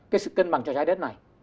cái sự cân bằng cho trái đất này